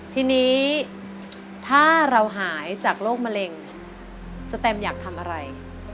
ทีนี้ถ้าเราหายจากโรคมะเร็งสแตมอยากทำอะไร